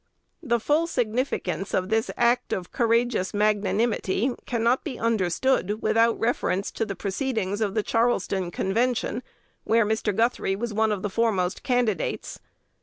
The full significance of this act of courageous magnanimity cannot be understood without reference to the proceedings of the Charleston Convention, where Mr. Guthrie was one of the foremost candidates.